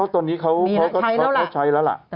ตอนนี้เขาใช้แล้วล่ะ